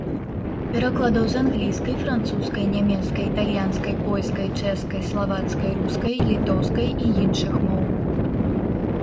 Перакладаў з англійскай, французскай, нямецкай, італьянскай, польскай, чэшскай, славацкай, рускай, літоўскай і іншых моў.